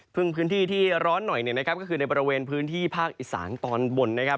พึ่งพื้นที่ที่ร้อนหน่อยก็คือในบริเวณพื้นที่ภาคอิสานตอนบนนะครับ